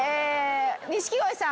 錦鯉さん